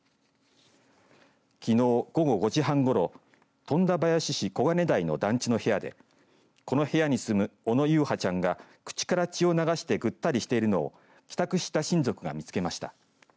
きのう、午後５時半ごろ富田林市小金台の団地の部屋でこの部屋に住む小野優陽ちゃんが口から血を流して、ぐったりしているのを帰宅した親族が見つけました。